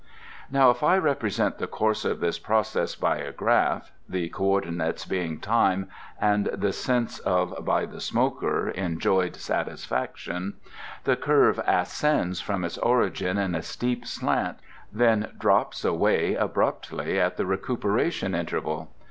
Now if I represent the course of this process by a graph (the co ordinates being Time and the Sense of by the Smoker enjoyed Satisfaction) the curve ascends from its origin in a steep slant, then drops away abruptly at the recuperation interval.